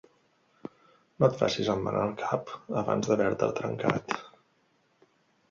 No et facis embenar el cap abans d'haver-te'l trencat.